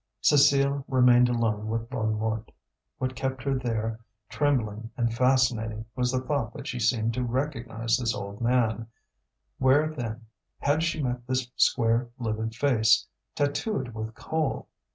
Cécile remained alone with Bonnemort. What kept her there trembling and fascinated, was the thought that she seemed to recognize this old man: where then had she met this square livid face, tattooed with coal?